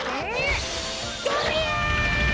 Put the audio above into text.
どりゃ！